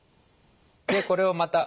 でこれをまた。